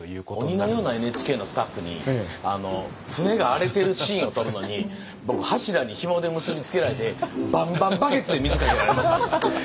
鬼のようなＮＨＫのスタッフに船が荒れてるシーンを撮るのに僕柱にひもで結び付けられてバンバンバケツで水かけられましたんで。